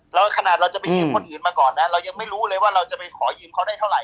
แล้วขนาดเราจะไปยืมคนอื่นมาก่อนนะเรายังไม่รู้เลยว่าเราจะไปขอยืมเขาได้เท่าไ